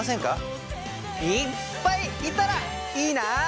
いっぱいいたらいいな！